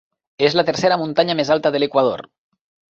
És la tercera muntanya més alta de l'Equador.